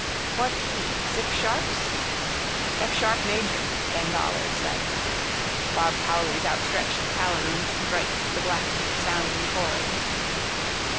—What key? Six sharps? —F sharp major, Ben Dollard said. Bob Cowley's outstretched talons griped the black deepsounding chords.